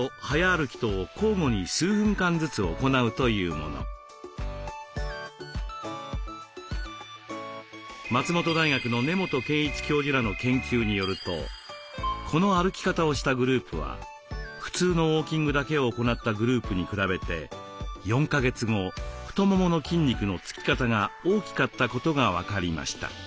そこで田村さんが勧めるのは松本大学の根本賢一教授らの研究によるとこの歩き方をしたグループは普通のウォーキングだけを行ったグループに比べて４か月後太ももの筋肉のつき方が大きかったことが分かりました。